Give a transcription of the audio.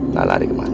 nggak lari kemana